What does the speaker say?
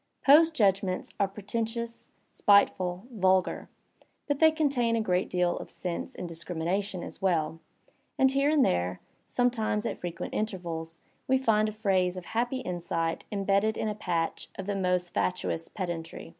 Poe's judgments are pretentious, spiteful, vulgar; but they contain a great deal of sense and discrimination as well, and here and there, some tknes at frequent intervals, we find a phrase of happy insight imbeSded ii^ a patch of the most fatuous pedantry."